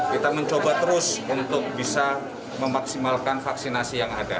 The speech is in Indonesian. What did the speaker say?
kita mencoba terus untuk bisa memaksimalkan vaksinasi yang ada